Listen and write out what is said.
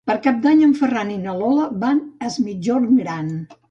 Per Cap d'Any en Ferran i na Lola van a Es Migjorn Gran.